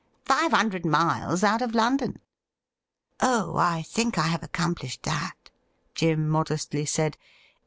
' Five hundred miles out of London !'' Ob, I think I have accomplished that,' Jim modestly said.